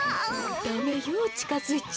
ダメよちかづいちゃ。